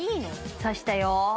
挿したよ。